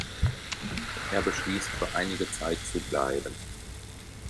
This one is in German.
Er beschließt für einige Zeit zu bleiben.